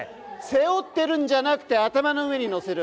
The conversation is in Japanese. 背負ってるんじゃなくて頭の上に乗せる。